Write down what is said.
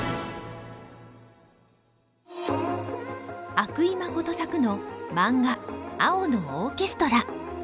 阿久井真作のマンガ「青のオーケストラ」。